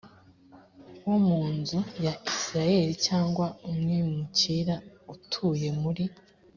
wo mu nzu ya isirayeli cyangwa umwimukira utuye muri